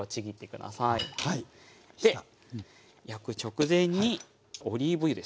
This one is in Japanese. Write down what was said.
で焼く直前にオリーブ油ですね。